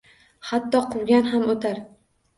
Hatto quvgan ham o‘tar.